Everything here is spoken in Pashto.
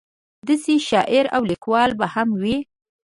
داسې شاعر او لیکوال به هم وي.